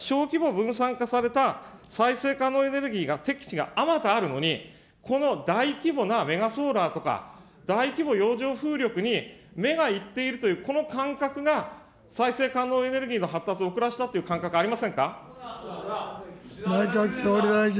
こうした小規模分散化された再生可能エネルギーが適地があまたあるのに、この大規模なメガソーラーとか、大規模洋上風力に目がいっているという、この感覚が、再生可能エネルギーの発達を遅らせたという感覚ありませんか。